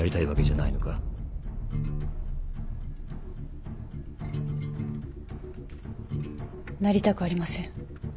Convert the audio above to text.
なりたくありません。